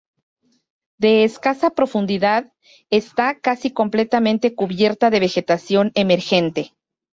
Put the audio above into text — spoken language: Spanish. De escasa profundidad, está casi completamente cubierta de vegetación emergente.